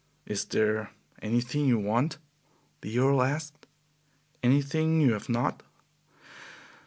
"Is there anything you want," the Earl asked; "anything you have not?"